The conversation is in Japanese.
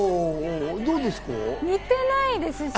似てないですし。